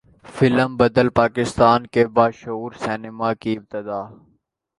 film بدل پاکستان کے باشعور سینما کی ابتدا